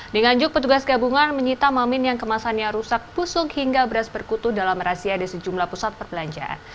di nganjuk petugas gabungan menyita mamin yang kemasannya rusak pusuk hingga beras berkutu dalam razia di sejumlah pusat perbelanjaan